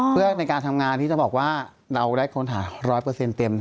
เพื่อในการทำงานที่จะบอกว่าเราได้ค้นหาภรรยา๑๐๐เปอร์เซ็นต์เต็ม